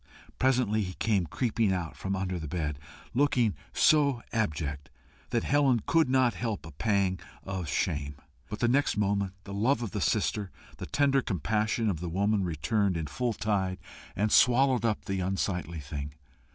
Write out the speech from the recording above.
Presently he came creeping out from under the bed, looking so abject that Helen could not help a pang of shame. But the next moment the love of the sister, the tender compassion of the woman, returned in full tide, and swallowed up the unsightly thing.